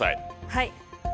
はい。